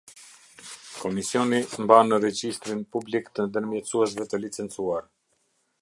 Komisioni mbanë regjistrin publik të ndërmjetësuesve të licencuar.